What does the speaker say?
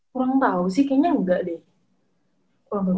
kurang tau sih kayaknya ga deh